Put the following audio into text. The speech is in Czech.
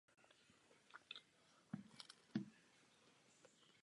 To bych chtěla rovněž zdůraznit.